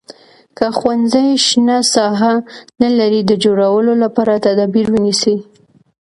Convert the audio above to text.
که ښوونځی شنه ساحه نه لري د جوړولو لپاره تدابیر ونیسئ.